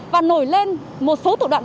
và nổi lên một số thủ đoạn